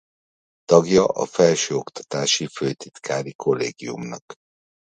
Tagja a Felsőoktatási Főtitkári Kollégiumnak.